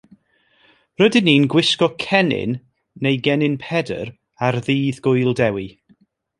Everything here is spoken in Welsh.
Rydyn ni'n gwisgo cennin neu gennin Pedr ar Ddydd Gŵyl Dewi.